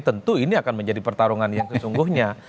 tentu ini akan menjadi pertarungan yang sesungguhnya